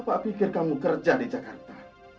apa pikir kamu kerja di jakarta